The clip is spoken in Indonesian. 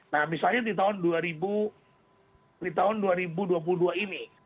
nah misalnya di tahun dua ribu dua puluh dua ini